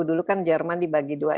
dulu kan jerman dibagi dua